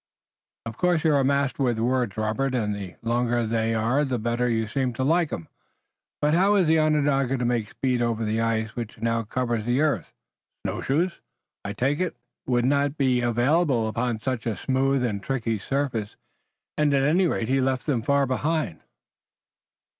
"Of course you're a master with words, Robert, and the longer they are the better you seem to like 'em, but how is the Onondaga to make speed over the ice which now covers the earth? Snow shoes, I take it, would not be available upon such a smooth and tricky surface, and, at any rate, he has left them far behind."